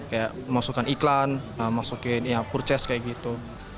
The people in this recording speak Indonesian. kayak masukkan iklan masukin purchase kayak gitu